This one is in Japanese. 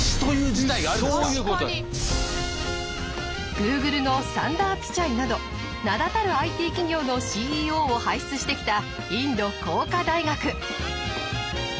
Ｇｏｏｇｌｅのサンダー・ピチャイなど名だたるＩＴ企業のＣＥＯを輩出してきたインド工科大学。